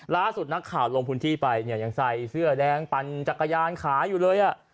ล่าสุดนักข่าวลงพื้นที่ไปเนี่ยยังใส่เสื้อแดงปั่นจักรยานขายอยู่เลยอ่ะ